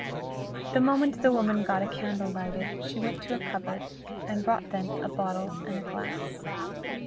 The moment the woman got a candle lighted, she went to a cupboard, and brought thence a bottle and a glass.